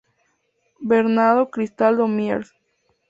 Bernardo Cristaldo Miers.